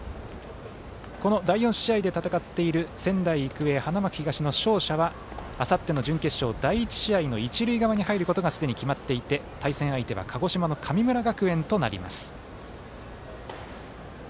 この第４試合で戦っている仙台育英、花巻東の勝者はあさっての準決勝第１試合の一塁側に入ることがすでに決まっていて対戦相手は鹿児島の神村学園となります。